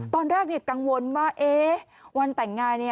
ตอนแรกกังวลว่าวันแต่งงาน